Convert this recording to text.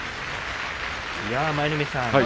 舞の海さん